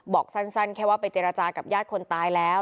บอกสั้นแค่ว่าไปเจรจากับญาติคนตายแล้ว